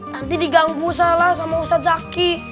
nanti diganggumu salah sama ustadz zaki